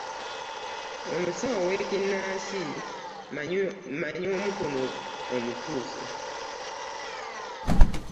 Omusawo w'ekinnansi mmanyi omu kuno omutuufu.